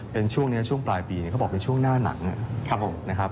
เป็นช่วงนี้ช่วงปลายปีเขาบอกเป็นช่วงหน้าหนักนะครับผมนะครับ